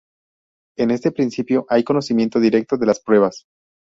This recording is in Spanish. En este principio hay conocimiento directo de las pruebas.